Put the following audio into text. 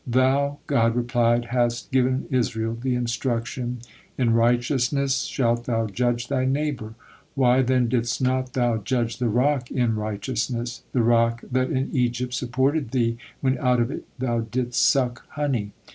"Thou," God replied, "hast given Israel the instruction, 'In righteousness shalt thou judge thy neighbor'; why then, didst not thou judge the rock 'in righteousness,' the rock that in Egypt supported thee when out of it thou didst such honey?